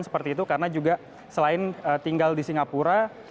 seperti itu karena juga selain tinggal di singapura